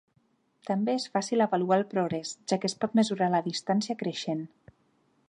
També és fàcil avaluar el progrés, ja que es pot mesurar la distància creixent.